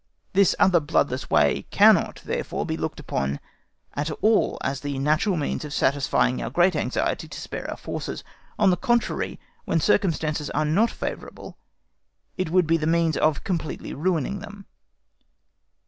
This other bloodless way cannot, therefore, be looked upon at all as the natural means of satisfying our great anxiety to spare our forces; on the contrary, when circumstances are not favourable, it would be the means of completely ruining them.